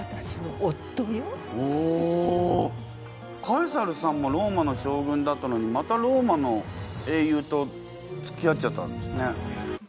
カエサルさんもローマの将軍だったのにまたローマの英雄とつきあっちゃったんですね？